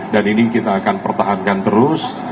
dan ini kita akan pertahankan terus